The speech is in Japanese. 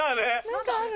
何かある。